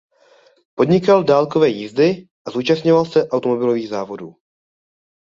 Podnikal dálkové jízdy a zúčastňoval se automobilových závodů.